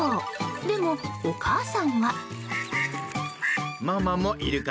でも、お母さんは？